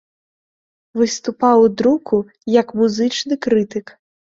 Выступаў у друку як музычны крытык.